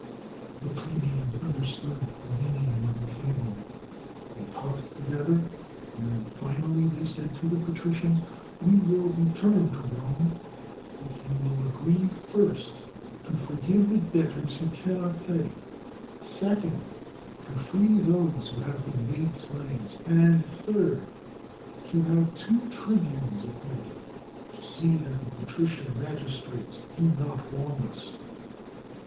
The plebeians understood the meaning of the fable. They talked together, and finally they said to the patri cians, "We will return to Rome if you will agree, first, to forgive the debtors who cannot pay; second, to free those who have been made slaves; and, third, to have two tribunes appointed to see that the patrician magis trates do not wrong us."